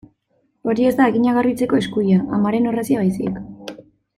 Hori ez da haginak garbitzeko eskuila, amaren orrazia baizik.